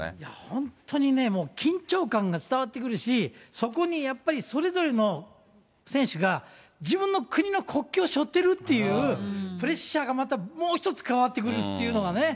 本当にね、もう緊張感が伝わってくるし、そこにやっぱりそれぞれの選手が自分の国の国旗をしょってるっていうプレッシャーがまたもう一つ加わってくるっていうのがね。